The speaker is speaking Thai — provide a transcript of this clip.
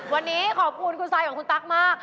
วันนี้ขอบคุณคุณซายของคุณตั๊กมาก